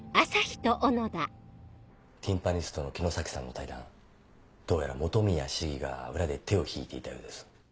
ティンパニストの木之崎さんの退団どうやら本宮市議が裏で手を引いていたようです。